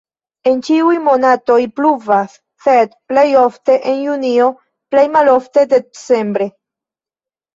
En ĉiuj monatoj pluvas, sed plej ofte en junio, plej malofte decembre.